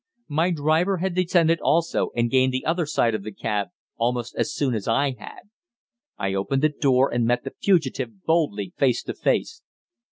My driver had descended also, and gained the other side of the cab almost as soon as I had. I opened the door, and met the fugitive boldly face to face.